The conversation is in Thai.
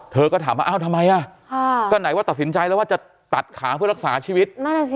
เธอก็ถามว่าอ้าวทำไมอ่ะก็ไหนว่าตัดสินใจแล้วว่าจะตัดขาเพื่อรักษาชีวิตนั่นแหละสิ